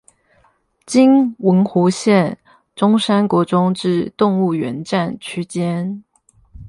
今文湖線中山國中至動物園站區間